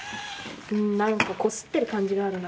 何かこすってる感じがあるな